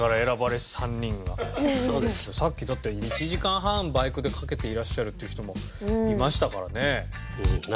さっきだって１時間半バイクでかけていらっしゃるっていう人もいましたからね。